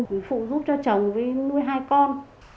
để phụ giúp cho chồng với nuôi hai con